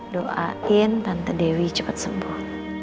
doain tante dewi cepat sembuh